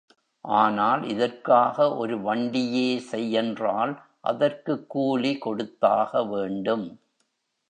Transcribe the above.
ஆனால், இதற்காக ஒரு வண்டியே செய் என்றால் அதற்குக் கூலி கொடுத்தாக வேண்டும்.